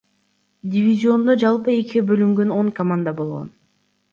Дивизиондо жалпы экиге бөлүнгөн он команда болгон.